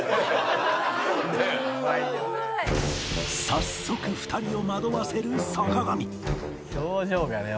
早速２人を惑わせる坂上